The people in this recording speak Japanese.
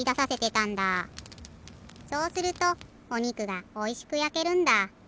そうするとおにくがおいしくやけるんだ。